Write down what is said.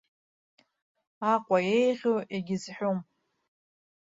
Аҟәа еиӷьу егьизҳәом.